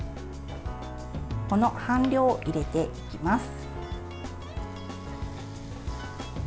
この半量を入れていきます。